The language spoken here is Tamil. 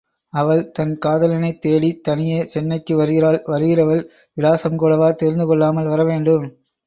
அவள் தன் காதலனைத் தேடித் தனியே சென்னைக்கு வருகிறாள் வருகிறவள் விலாசம் கூடவா தெரிந்துகொள்ளாமல் வரவேண்டும்.